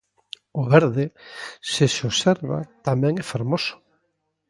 O verde, se se observa, tamén é fermoso.